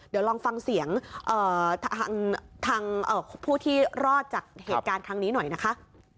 เดี๋ยวลองฟังเสียงทางผู้ที่รอดจากเหตุการณ์ครั้งนี้หน่อยนะคะ